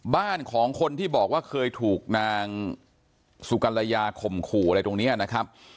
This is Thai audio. บ้านของคนที่บอกว่าเคยถูกนางสุกัลยาข่มขู่อะไรตรงนี้นะครับ